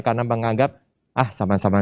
karena menganggap ah sama sama